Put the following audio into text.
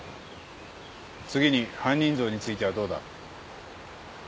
次に犯人像についてはどうだ？